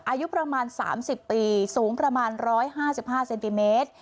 อายุประมาณสามสิบปีสูงประมาณร้อยห้าสิบห้าเซนติเมตร